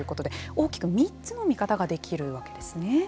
大きく３つの見方ができるわけですね。